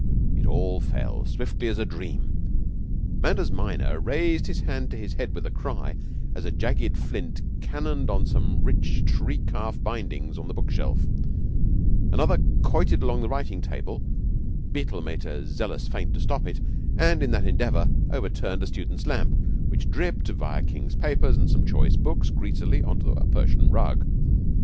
It all fell swiftly as a dream. Manders minor raised his hand to his head with a cry, as a jagged flint cannoned on to some rich tree calf bindings in the book shelf. Another quoited along the writing table. Beetle made zealous feint to stop it, and in that endeavor overturned a student's lamp, which dripped, via King's papers and some choice books, greasily on to a Persian rug.